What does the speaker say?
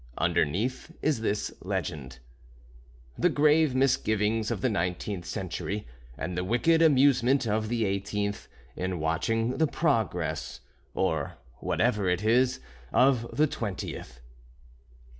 Underneath is this legend: "The Grave Misgivings of the Nineteenth Century, and the Wicked Amusement of the Eighteenth, in Watching the Progress (or whatever it is) of the Twentieth."